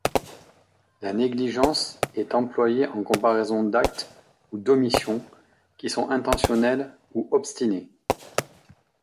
La négligence est employée en comparaison d'actes ou d'omissions qui sont intentionnels ou obstinés.